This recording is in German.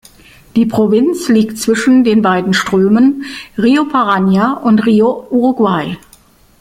Die Provinz liegt zwischen den beiden Strömen Río Paraná und Río Uruguay.